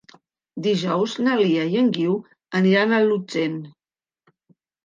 Dilluns na Lia i en Guiu aniran a Llutxent.